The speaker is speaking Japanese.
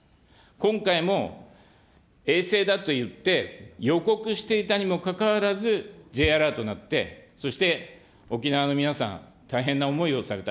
今回も衛星だといって、予告していたにもかかわらず、Ｊアラート鳴って、そして沖縄の皆さん、大変な思いをされた、